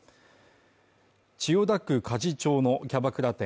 千代田区鍛冶町のキャバクラ店